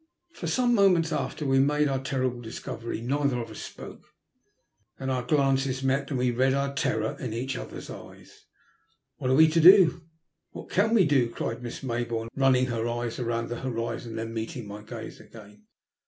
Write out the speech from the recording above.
* For some moments after we had made our terrible discovery, neither of us spoke. Then our glances met and we read our terror in each other's eyes. "What are we to do? What can we do?" cried Miss Mayboume, running her eyes round the horizon and then meeting my gaze again.